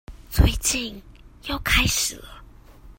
最近又開始了